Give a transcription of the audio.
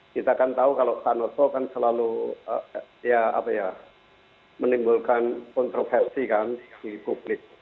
kita kan tahu kalau pak noto kan selalu menimbulkan kontroversi di publik